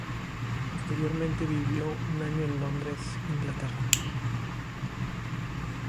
Posteriormente vivió un año en Londres, Inglaterra.